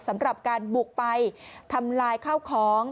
สำหรับการบุกไปทำลายข้าวของ